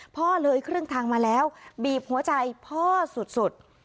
พ่อเลยครึ่งทางมาแล้วบีบหัวใจพ่อสุด